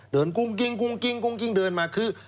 กุ้งกิ้งกุ้งกิ้งเดินมาคือ